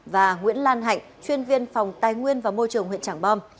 và nguyễn lan hạnh chuyên viên phòng tài nguyên và môi trường huyện tràng bom